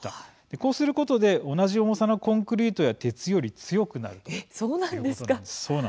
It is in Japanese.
こうすることで、同じ重さのコンクリートや鉄より強くなるということなんです。